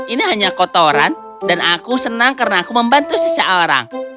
ini hanya kotoran dan aku senang karena aku membantu seseorang